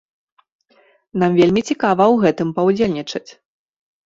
Нам вельмі цікава ў гэтым паўдзельнічаць.